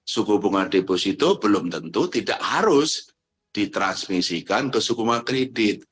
suku bunga deposito belum tentu tidak harus ditransmisikan ke suku bunga kredit